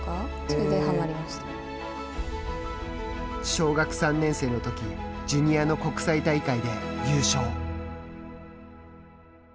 小学３年生のときジュニアの国際大会で優勝。